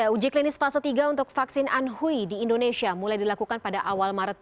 uji klinis fase tiga untuk vaksin anhui di indonesia mulai dilakukan pada awal maret dua ribu dua puluh satu